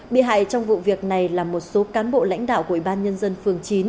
bị hại trong vụ việc này là một số cán bộ lãnh đạo của ủy ban nhân dân phường chín